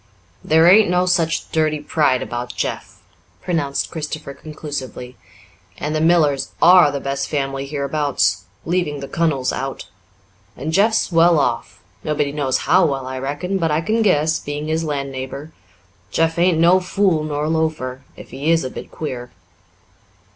"There ain't no such dirty pride about Jeff," pronounced Christopher conclusively. "And the Millers are the best family hereabouts, leaving the kunnel's out. And Jeff's well off nobody knows how well, I reckon, but I can guess, being his land neighbour. Jeff ain't no fool nor loafer, if he is a bit queer."